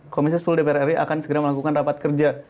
komisi sepuluh dpr ri akan segera melakukan rapat kerja